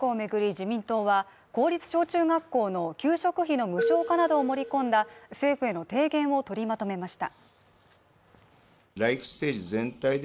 自民党は公立小・中学校の給食費の無償化などを盛り込んだ政府への提言を取りまとめました。